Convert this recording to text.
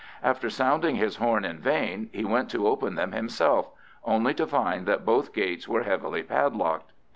After sounding his horn in vain, he went to open them himself, only to find that both gates were heavily padlocked.